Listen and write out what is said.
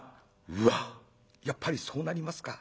「うわやっぱりそうなりますか」。